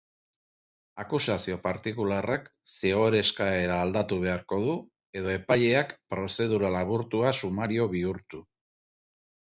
Akusazio partikularrak zigor eskaera aldatu beharko du edo epaileak prozedura laburtua sumario bihurtu.